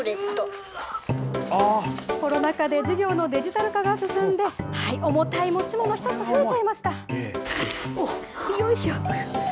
コロナ禍で授業のデジタル化が進んで、重たい持ち物１つ増えちゃいました。